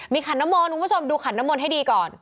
ขันน้ำมนต์คุณผู้ชมดูขันน้ำมนต์ให้ดีก่อน